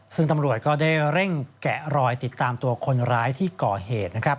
ซึ่งตำรวจก็ได้เร่งแกะรอยติดตามตัวคนร้ายที่ก่อเหตุนะครับ